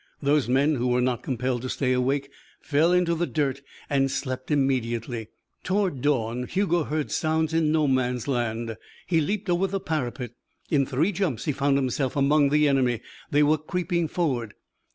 Those men who were not compelled to stay awake fell into the dirt and slept immediately. Toward dawn Hugo heard sounds in no man's land. He leaped over the parapet. In three jumps he found himself among the enemy. They were creeping forward.